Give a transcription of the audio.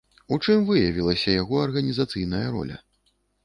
У чым выявілася яго арганізацыйная роля?